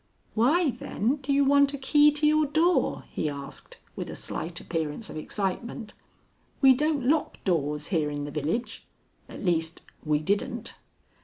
"Why, then, do you want a key to your door?" he asked, with a slight appearance of excitement. "We don't lock doors here in the village; at least we didn't."